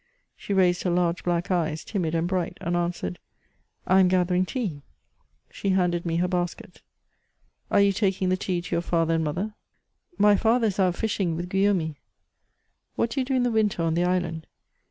She raised her large black eyes, timid and bright, and answered: " I am gathering tea." She handed me her basket. Are you taking the tea to your father and mother ?'*" My father is out fishing wiUi Guillaumy." '* What do you do in the winter on the island